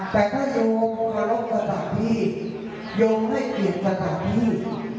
แต่ถ้าโยงรักกฎาพี่โยงได้เกียรติกฎาพี่